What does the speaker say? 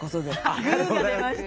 グーが出ました。